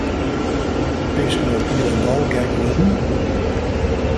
Bist no hielendal gek wurden?